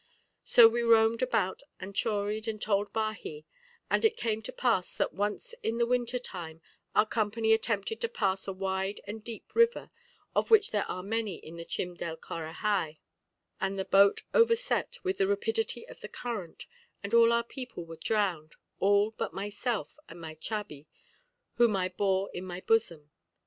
So we roamed about and choried and told baji; and it came to pass that once in the winter time our company attempted to pass a wide and deep river, of which there are many in the Chim del Corahai, and the boat overset with the rapidity of the current, and all our people were drowned, all but myself and my chabi, whom I bore in my bosom.